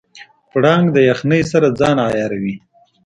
پړانګ د یخنۍ سره ځان عیاروي.